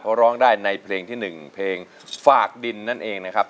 เพราะร้องได้ในเพลงที่๑เพลงฝากดินนั่นเองนะครับ